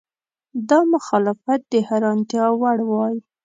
دا مخالفت د حیرانتیا وړ وای.